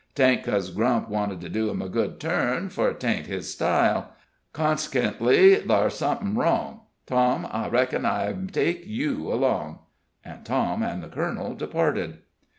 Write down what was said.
'Taint 'cos Grump wanted to do him a good turn, fur 'tain't his style. Cons'kently, thar's sumthin' wrong. Tom, I reckon I take you along." And Tom and the colonel departed.